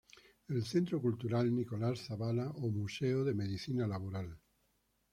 El Centro Cultural Nicolás Zavala ó Museo de Medicina Laboral.